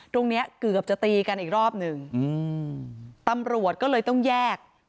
ตรงเนี้ยเกือบจะตีกันอีกรอบหนึ่งอืมตำรวจก็เลยต้องแยก